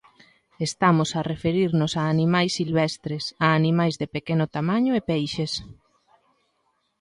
Estamos a referirnos a animais silvestres, a animais de pequeno tamaño e peixes.